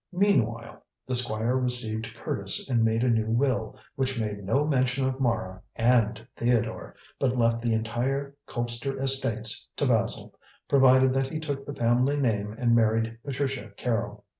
Meanwhile, the Squire received Curtis and made a new will, which made no mention of Mara and Theodore, but left the entire Colpster estates to Basil, provided that he took the family name and married Patricia Carrol.